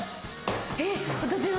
えっ？